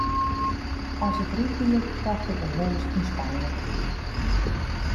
As ik ryk wie, kocht ik in hûs yn Spanje.